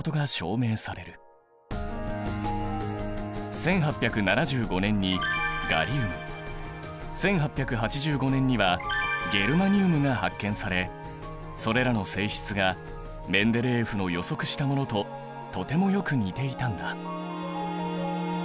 １８７５年にガリウム１８８５年にはゲルマニウムが発見されそれらの性質がメンデレーエフの予測したものととてもよく似ていたんだ。